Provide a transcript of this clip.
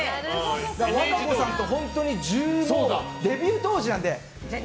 和歌子さんと本当にデビュー当時なので。